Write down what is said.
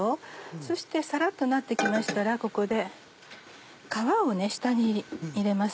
そしてサラっとなって来ましたらここで皮を下に入れます